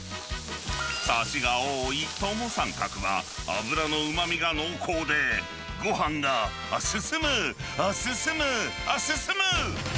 さしが多いトモサンカクは、脂のうまみが濃厚で、ごはんが進む、進む、進む！